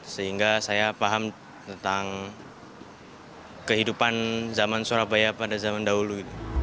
sehingga saya paham tentang kehidupan zaman surabaya pada zaman dahulu